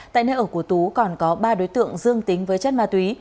tại nơi ở của tú còn có ba đối tượng dương tính với chất ma túy